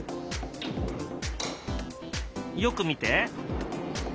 よく見て。